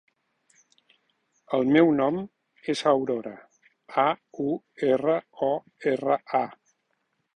El meu nom és Aurora: a, u, erra, o, erra, a.